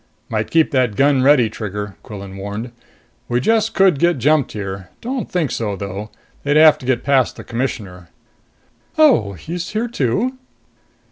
"Might keep that gun ready, Trigger," Quillan warned. "We just could get jumped here. Don't think so, though. They'd have to get past the Commissioner." "Oh, he's here, too?"